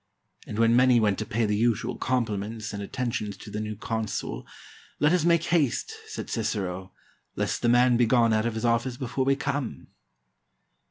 And when many went to pay the usual compliments and atten tions to the new consul, "Let us make haste," said Cicero, "lest the man be gone out of his ofi&ce before we come."